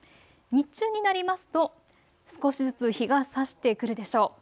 日中になると、少しずつ日がさしてくるでしょう。